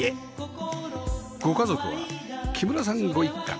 ご家族は木村さんご一家